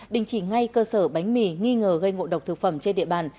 đình chỉ ngay cơ sở bánh mì nghi ngờ gây ngộ độc thực phẩm trên địa bàn